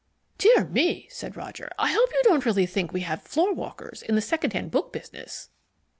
"Dear me," said Roger. "I hope you don't really think we have floorwalkers in the second hand book business."